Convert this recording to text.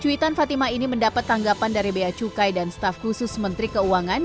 cuitan fatima ini mendapat tanggapan dari bea cukai dan staf khusus menteri keuangan